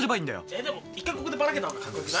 えっでも１回ここでバラけたほうがカッコよくない？